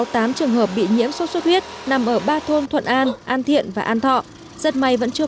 sáu trường hợp bị nhiễm sốt xuất huyết nằm ở ba thôn thuận an an thiện và an thọ rất may vẫn chưa